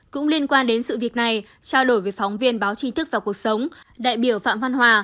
cũng liên quan đến sự việc này trao đổi với phóng viên báo chí thức và cuộc sống đại biểu phạm văn hòa